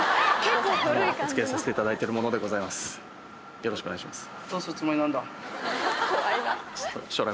よろしくお願いします。